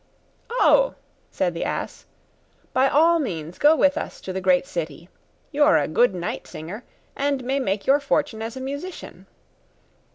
'Oh,' said the ass, 'by all means go with us to the great city; you are a good night singer, and may make your fortune as a musician.